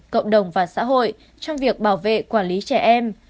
cộng đồng và xã hội trong việc bảo vệ quản lý trẻ em